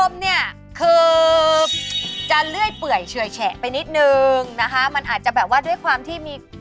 ไปแฉะไปนิดนึงนะคะมันอาจจะแบบว่าด้วยความที่มี